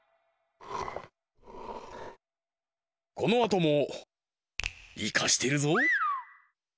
このあともイカしてるぞ！